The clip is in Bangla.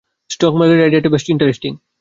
স্টক মার্কেটের আইডিয়াটা বেশ ইন্টারেস্টিং।